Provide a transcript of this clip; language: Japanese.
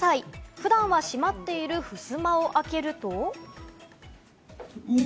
普段は閉まっている、ふすまを開けると。